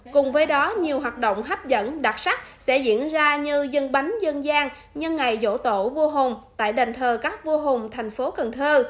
cùng với đó nhiều hoạt động hấp dẫn đặc sắc sẽ diễn ra như dân bánh dân gian nhân ngày vỗ tổ vô hùng tại đền thờ các vua hùng thành phố cần thơ